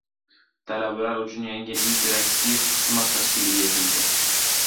Talabalar uchun yangi interaktiv xizmat tashkil yetildi